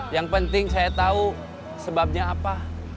yang penting saya tahu sebabnya apa